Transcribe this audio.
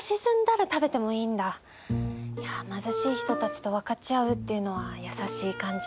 貧しい人たちと分かち合うっていうのは優しい感じ。